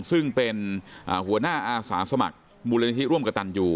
ซึ่งเป็นหัวหน้าอาสาสมัครมูลนิธิร่วมกับตันยู